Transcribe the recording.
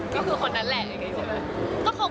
ก็คือคนนั้นแหละใช่ไหม